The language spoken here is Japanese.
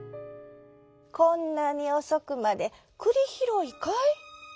こんなにおそくまでくりひろいかい？」。